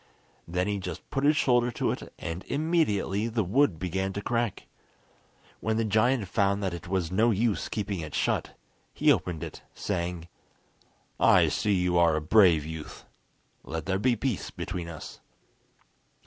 Then he just put his shoulder to it, and immediately the wood began to crack. When the giant found that it was no use keeping it shut, he opened it, saying: "I see you are a brave youth. Let there be peace between us."